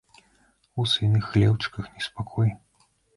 У свіных хлеўчыках неспакой.